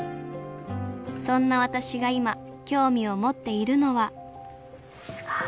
そんな私が今興味を持っているのはすごい。